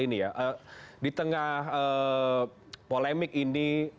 ini ya di tengah polemik ini